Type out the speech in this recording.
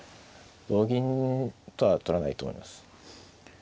同銀とは取らないと思います。